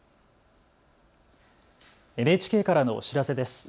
ＮＨＫからのお知らせです。